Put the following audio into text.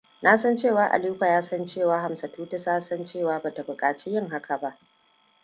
Nasan cewa Aliko yasan cewa Hamsatutu tasan cewa bata bukaci yin haka ba.